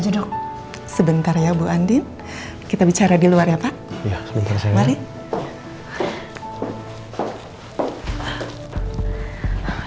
jauh kena anin dari hal hal yang buruk ya allah